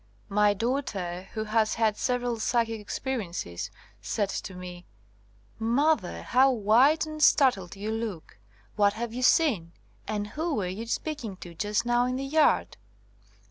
My daughter, who has had several psychic experiences, said to me: * Mother, how white and startled you look! What have you seen? And who were you speaking to just now in the yard?'